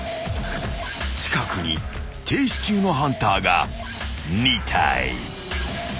［近くに停止中のハンターが２体］